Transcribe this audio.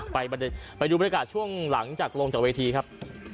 ไปดูบรรยากาศช่วงหลังจากลงจากเวทีครับ